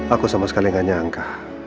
aku sama sekali tidak menyangka